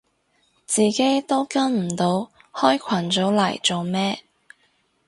自己都跟唔到開群組嚟做咩